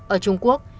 ở trung quốc